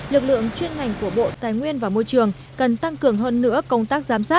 lực lượng chuyên ngành của bộ tài nguyên và môi trường cần tăng cường hơn nữa công tác giám sát